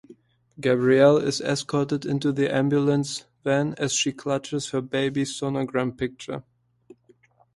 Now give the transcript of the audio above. Gabrielle is escorted into the ambulance van as she clutches her baby's sonogram picture.